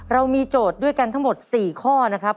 เรามีโจทย์ด้วยกันทั้งหมด๔ข้อนะครับ